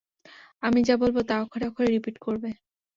আমি যা বলবো তা অক্ষরে অক্ষরে রিপিট করবে।